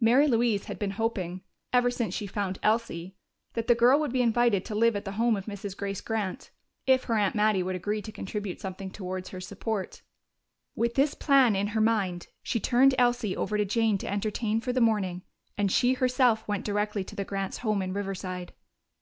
Mary Louise had been hoping, ever since she found Elsie, that the girl would be invited to live at the home of Mrs. Grace Grant if her aunt Mattie would agree to contribute something towards her support. With this plan in her mind, she turned Elsie over to Jane to entertain for the morning, and she herself went directly to the Grants' home in Riverside.